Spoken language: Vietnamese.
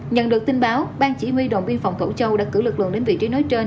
nhận được tin báo ban chỉ huy động biên phòng thổ châu đã cử lực lượng đến vị trí nối trên